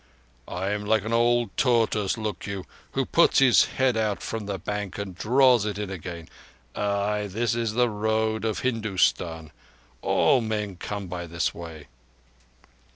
"I am like an old tortoise, look you, who puts his head out from the bank and draws it in again. Ay, this is the Road of Hindustan. All men come by this way..."